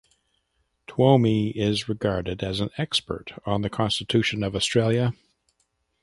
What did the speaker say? Twomey is regarded as an expert on the Constitution of Australia.